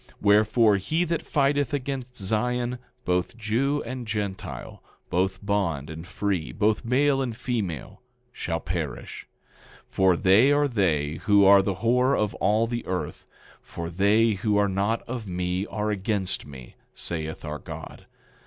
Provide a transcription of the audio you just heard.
10:16 Wherefore, he that fighteth against Zion, both Jew and Gentile, both bond and free, both male and female, shall perish; for they are they who are the whore of all the earth; for they who are not for me are against me, saith our God.